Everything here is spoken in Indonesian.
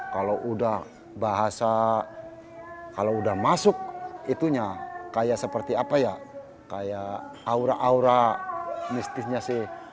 kalau udah bahasa kalau udah masuk itunya kayak seperti apa ya kayak aura aura mistisnya sih